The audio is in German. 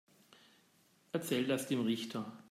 Erzähl das dem Richter.